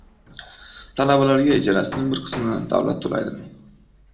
Talabalarga ijarasining bir qismini davlat to‘laydimi?